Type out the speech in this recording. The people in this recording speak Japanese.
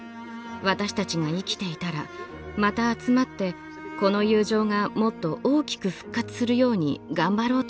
私たちが生きていたらまた集まってこの友情がもっと大きく復活するように頑張ろうと思います。